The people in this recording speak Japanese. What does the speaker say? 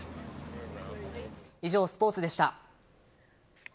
以上、スポーツでした。